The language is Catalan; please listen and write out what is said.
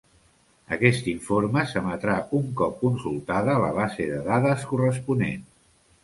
Aquest informe s'emetrà un cop consultada la base de dades corresponent.